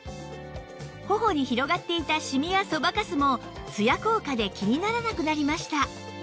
頬に広がっていたシミやソバカスもツヤ効果で気にならなくなりました